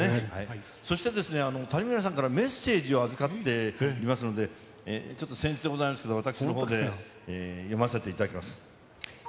そしてですね、谷村さんがメッセージを預かっていますので、ちょっとせん越でございますけれども、私のほうで読ませていただきます。